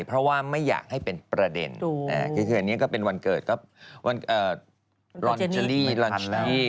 เพราะว่าไม่อยากให้เป็นประเด็นนะครับคืออันนี้ก็เป็นวันเกิดครับรอนเจลลี่รอนเจลลี่